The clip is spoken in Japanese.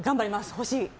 欲しい！